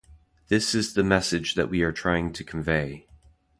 This is the message that we are trying to convey.